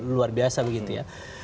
luar biasa begitu ya